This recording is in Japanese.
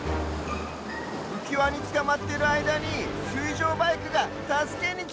うきわにつかまってるあいだにすいじょうバイクがたすけにきた！